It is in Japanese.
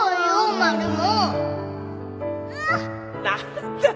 マルモ！